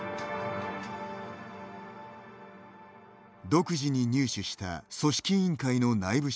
独自に入手した組織委員会の内部